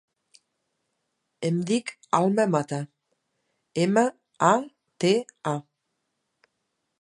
Em dic Alma Mata: ema, a, te, a.